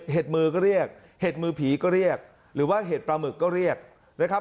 เห็ดมือก็เรียกเห็ดมือผีก็เรียกหรือว่าเห็ดปลาหมึกก็เรียกนะครับ